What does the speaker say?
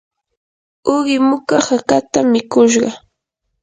uqi muka hakatam mikushqa.